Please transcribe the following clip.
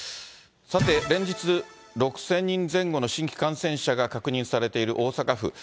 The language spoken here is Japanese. さて、連日６０００人前後の新規感染者が確認されている大阪府。